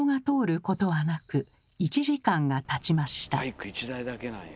バイク１台だけなんや。